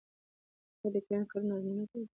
آیا د کرنې کارونه نارینه نه کوي؟